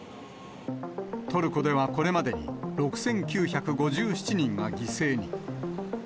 トルコではこれまでに６９５７人が犠牲に。